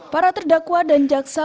para terdakwa dan jaksa